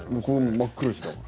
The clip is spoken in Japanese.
真っ黒です、だから。